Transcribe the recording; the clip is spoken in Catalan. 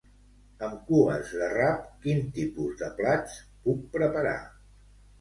Amb cues de rap quins tipus de plats puc preparar?